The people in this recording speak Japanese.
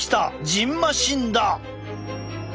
じんましんだ！